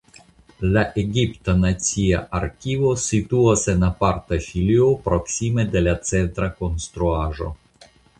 La Egipta Nacia Arkivo situas en aparta filio proksime de la centra konstruaĵo.